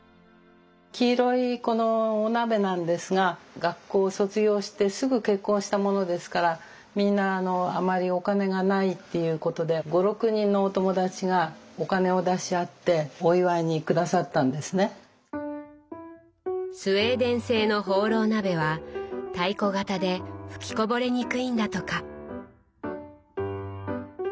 黄色いこのお鍋なんですが学校卒業してすぐ結婚したものですからみんなあまりお金がないっていうことで５６人のスウェーデン製のホーロー鍋は太鼓形で吹きこぼれにくいんだとか。